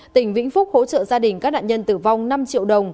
tỉnh vĩnh phúc hỗ trợ gia đình các nạn nhân tử vong năm triệu đồng